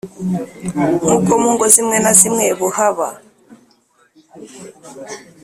nk’uko mu ngo zimwe na zimwe buhaba